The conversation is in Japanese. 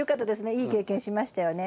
いい経験しましたよね。